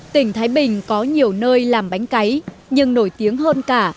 tỉnh thái bình có nhiều nơi làm bánh cấy nhưng nổi tiếng hơn cả